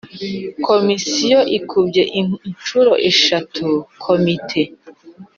Komisiyo ikubye inshuro eshatu komite.